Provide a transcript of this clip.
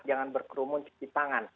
jangan berkerumun cuci tangan